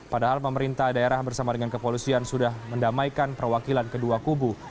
padahal pemerintah daerah bersama dengan kepolisian sudah mendamaikan perwakilan kedua kubu